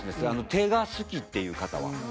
手が好きっていう方は。